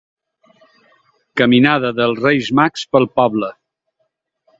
Caminada dels Reis Mags pel poble.